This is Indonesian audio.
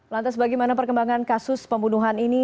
lantas bagaimana perkembangan kasus pembunuhan ini